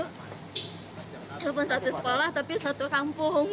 walaupun satu sekolah tapi satu kampung